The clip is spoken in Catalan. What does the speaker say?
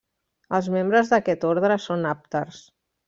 Els membres d'aquest ordre són àpters.